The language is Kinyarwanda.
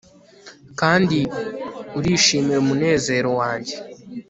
kandi urishimira umunezero wanjye